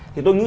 thì tôi nghĩ